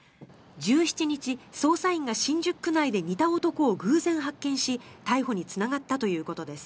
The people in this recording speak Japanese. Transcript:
１７日、捜査員が新宿区内で似た男を偶然発見し逮捕につながったということです。